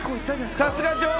さすが女王！